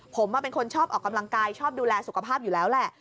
ผมเป็นคนชอบออกกำลังกายชอบดูแลสุขภาพอยู่แล้วแหละ